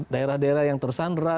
daerah daerah yang tersandra